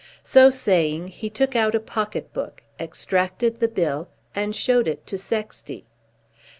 So saying he took out a pocket book, extracted the bill, and showed it to Sexty.